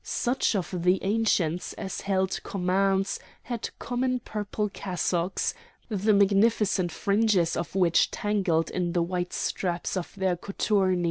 Such of the Ancients as held commands had come in purple cassocks, the magnificent fringes of which tangled in the white straps of their cothurni.